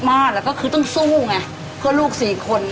มากแล้วก็คือต้องสู้ไงเพื่อลูกสี่คน